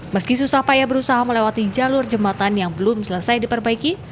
meski susah payah berusaha melewati jalur jembatan yang belum selesai diperbaiki